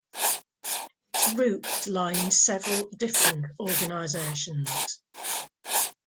Its roots lie in several different organisations.